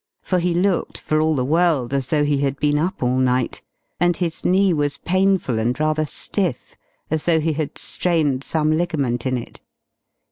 For he looked for all the world as though he had been up all night and his knee was painful and rather stiff, as though he had strained some ligament in it.